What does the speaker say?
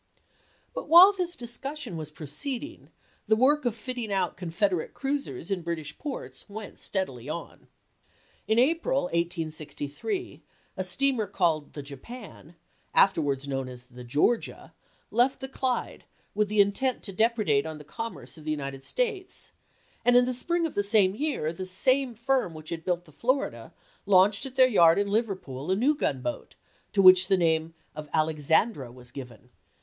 But while this discussion was proceeding the work of fitting out Confederate cruisers in British "Papers Ports wcut stcadily on. In April, 1863, a steamer to^Treafy Called the Japan, afterwards known as the Georgia, ofwashing jgf^ ^^^ Qjy^g ^^^^^^ .j^^^j^^ ^^ depredate on the p?io57 commerce of the United States, and in the spring of the same year the same firm which had built the Florida launched at their yard in Liverpool a new Ibid. gunboat, to which the name of Alexandra was given.